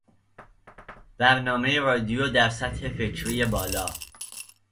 برنامهی رادیو در سطح فکری بالا